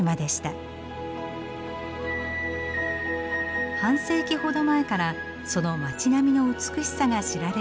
半世紀ほど前からその町並みの美しさが知られるようになりました。